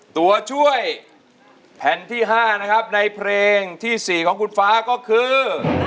ตัวช่วยแผ่นที่๕นะครับในเพลงที่๔ของคุณฟ้าก็คือ